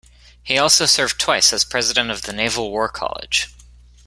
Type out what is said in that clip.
He also served twice as president of the Naval War College.